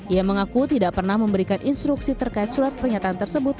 ia mengaku tidak pernah memberikan instruksi terkait surat pernyataan tersebut